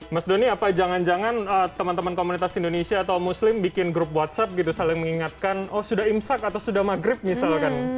mas doni apa jangan jangan teman teman komunitas indonesia atau muslim bikin grup whatsapp gitu saling mengingatkan oh sudah imsak atau sudah maghrib misalkan